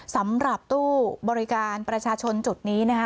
สำหรับตู้บริการประชาชนจุดนี้นะคะ